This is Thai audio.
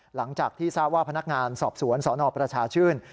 หลังจากที่ทราบว่าพนักงานสอบสวนสนประชาชื่น